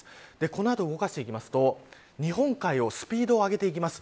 この後、動かしていきますと日本海をスピードを上げていきます。